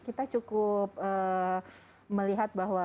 kita cukup melihat bahwa